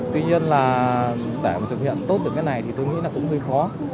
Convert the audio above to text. tuy nhiên là để mà thực hiện tốt được cái này thì tôi nghĩ là cũng hơi khó